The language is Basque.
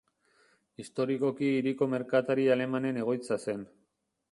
Historikoki hiriko merkatari alemanen egoitza zen.